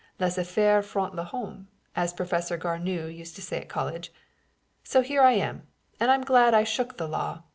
Les affaires font l'homme, as old Professor Garneau used to say at college. So here I am; and I'm glad I shook the law.